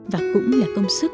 và cũng là công sức của ông